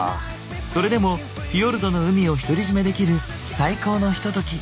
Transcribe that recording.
それでもフィヨルドの海を独り占めできる最高のひととき。